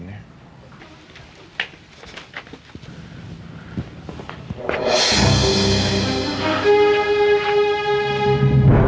montre wah itu kan